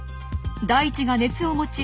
大地が熱を持ち